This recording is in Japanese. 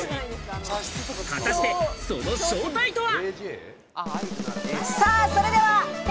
果たしてその正体とは？